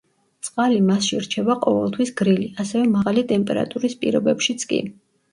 წყალი მასში რჩება ყოველთვის გრილი, ასევე მაღალი ტემპერატურის პირობებშიც კი.